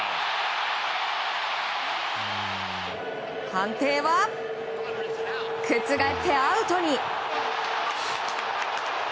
判定は覆ってアウトに！